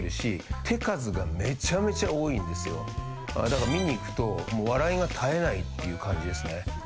だから観に行くと笑いが絶えないっていう感じですね。